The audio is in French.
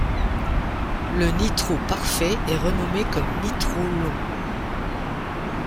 Le nitro parfait est renommé comme nitro long.